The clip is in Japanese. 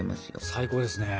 最高ですね。